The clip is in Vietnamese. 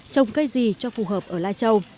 trồng cây gì cho phù hợp ở lai châu